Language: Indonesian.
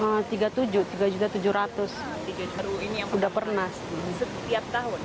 pembeli penukaran uang di bank indonesia sudah terisi penuh